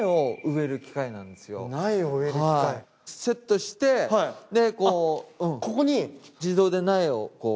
セットしてでこう自動で苗を。